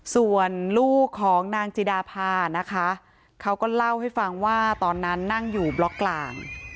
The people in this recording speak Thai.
ส่วนลูกของนางจิดาพานะคะเขาก็เล่าให้ฟังว่าตอนนั้นนั่งอยู่บล็อกกลาง